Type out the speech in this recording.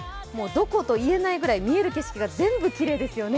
どこと言えないくらい、見える景色が全部きれいですよね。